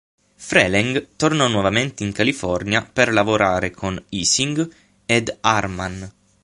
Freleng tornò nuovamente in California per lavorare con Ising ed Harman.